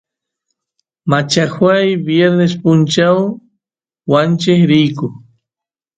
machajuay viernespi punchaw wancheq riyku